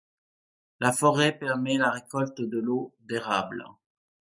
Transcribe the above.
La forêt permet la récolte de l'eau d'érable.